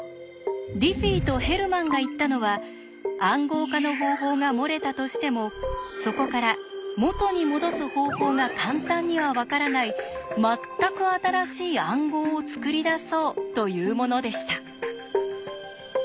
ディフィーとヘルマンが言ったのは「暗号化の方法」が漏れたとしてもそこから「元にもどす方法」が簡単にはわからない全く新しい暗号を作り出そうというものでした。